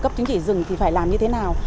cấp chứng chỉ rừng thì phải làm như thế nào